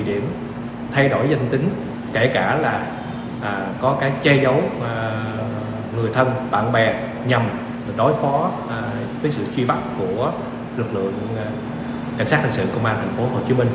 các đối tượng liên tục thay đổi danh tính kể cả là có cái che giấu người thân bạn bè nhằm đối phó với sự truy bắt của lực lượng cảnh sát hình sự công an thành phố hồ chí minh